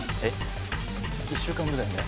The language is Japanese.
１週間分だよね。